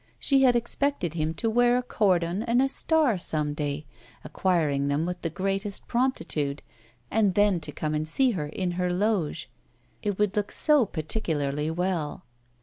She had expected him to wear a cordon and a star some day acquiring them with the greatest promptitude and then to come and see her in her loge: it would look so particularly well.